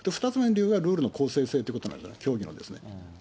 ２つ目がルールの公正性ということなんです、競技のですね。